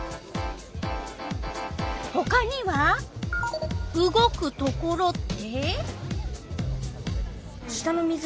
ほかには「うごくところ」って？